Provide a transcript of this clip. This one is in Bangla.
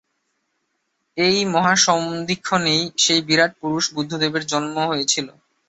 এই মহাসন্ধিক্ষণেই সেই বিরাট পুরুষ বুদ্ধদেবের জন্ম হয়েছিল।